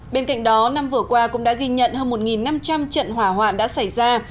bên cạnh đó năm vừa qua cũng đã ghi nhận hơn một năm trăm linh trận hỏa hoạn đã xảy ra